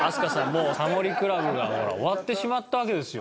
もう『タモリ倶楽部』がほら終わってしまったわけですよ。